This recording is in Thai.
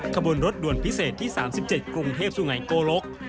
ขบวนรถด่วนพิเศษที่๓๗กรุงเทพศูนย์ไหนโกรก